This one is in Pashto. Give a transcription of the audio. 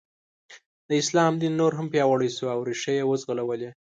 د اسلام دین نور هم پیاوړی شو او ریښې یې وځغلولې.